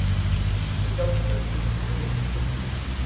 Une cocarde fut ajoutée sur le bonnet phrygien.